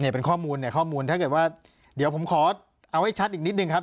เป็นข้อมูลเนี่ยข้อมูลถ้าเกิดว่าเดี๋ยวผมขอเอาให้ชัดอีกนิดนึงครับ